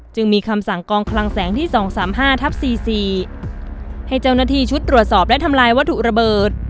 จึงมีคำสั่งกองคลังแสงที่๒๓๕ทัพ๔๔ให้เจ้าหน้าที่ชุดตรวจสอบและทำลายวัตถุระเบิด